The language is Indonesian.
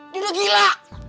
dia udah gila